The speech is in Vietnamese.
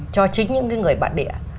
cho chính những cái người bản địa